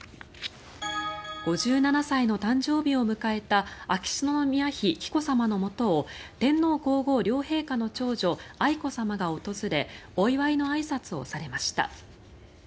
５７歳の誕生日を迎えた秋篠宮妃・紀子さまのもとを天皇・皇后両陛下の長女愛子さまが訪れお祝いのあいさつをされました。